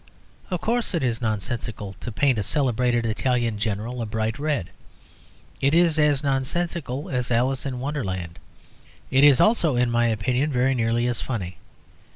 Of course it is nonsensical to paint a celebrated Italian General a bright red; it is as nonsensical as "Alice in Wonderland." It is also, in my opinion, very nearly as funny.